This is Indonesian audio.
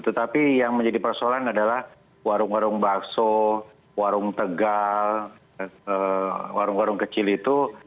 tetapi yang menjadi persoalan adalah warung warung bakso warung tegal warung warung kecil itu